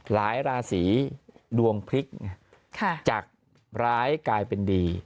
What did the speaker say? ราศีดวงพลิกไงจากร้ายกลายเป็นดี